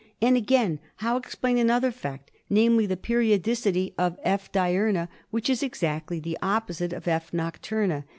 And, again, how explain another fact, namely, the periodicity of F, diurna which is exactly the opposite of that of F. nocturna